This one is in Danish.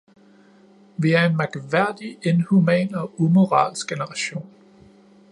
Vi er en mærkværdig, inhuman og umoralsk generation.